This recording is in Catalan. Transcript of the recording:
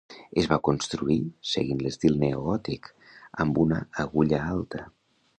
Es va construir seguint l'estil neogòtic amb una agulla alta.